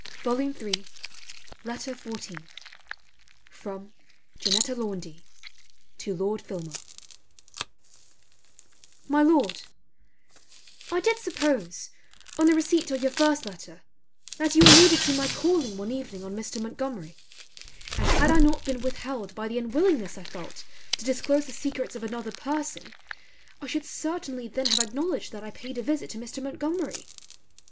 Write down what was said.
FILMAR LETTER XIV FROM JANETTA LAUNDY TO LORD FILMAR My Lord, I did suppose, on the receipt of your first letter, that you alluded to my calling one evening on Mr. Montgomery; and had I not been withheld by the unwillingness I felt to disclose the secrets of another person I should certainly then have acknowledged that I paid a visit to Mr. Montgomery.